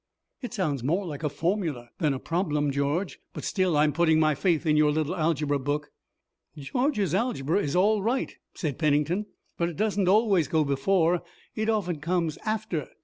"It sounds more like a formula than a problem, George, but still I'm putting my faith in your little algebra book." "George's algebra is all right," said Pennington, "but it doesn't always go before, it often comes after.